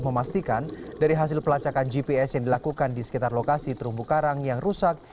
memastikan dari hasil pelacakan gps yang dilakukan di sekitar lokasi terumbu karang yang rusak